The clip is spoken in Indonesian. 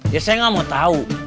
ya saya nggak mau tahu